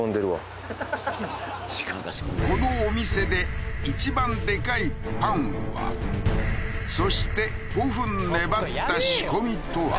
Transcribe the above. このお店で一番そして５分粘った仕込みとは？